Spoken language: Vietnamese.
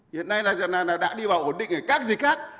hiện nay là đã đi vào ổn định các dịch khác